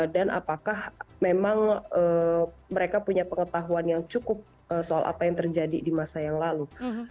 apakah memang mereka punya pengetahuan yang cukup soal apa yang terjadi di masa yang lalu